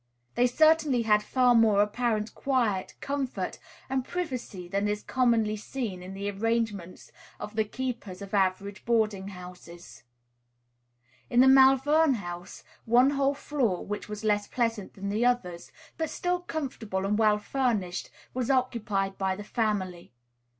They certainly had far more apparent quiet, comfort, and privacy than is commonly seen in the arrangements of the keepers of average boarding houses. In the Malvern house, one whole floor, which was less pleasant than the others, but still comfortable and well furnished, was occupied by the family.